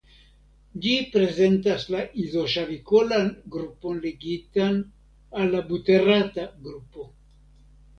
Ĝi prezentas la izoŝavikolan grupon ligitan al la buterata grupo.